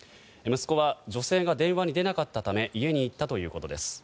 息子は女性が電話に出なかったため家に行ったということです。